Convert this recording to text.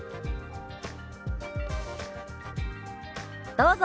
どうぞ。